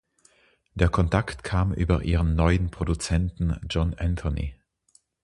Der Kontakt kam über ihren neuen Produzenten John Anthony.